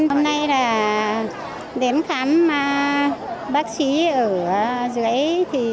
hôm nay là đến khám bác sĩ ở dưới